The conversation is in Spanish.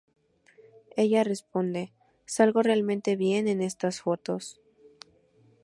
Ella responde: "Salgo realmente bien en estas fotos".